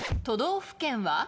都道府県は？